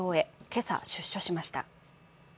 今朝、出所しました。